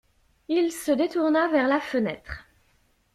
Il se détourna vers la fenêtre.